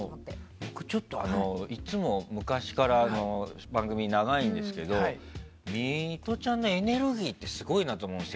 僕、ちょっといつも昔から番組が長いんですけどミトちゃんのエネルギーってすごいなと思うんですよ。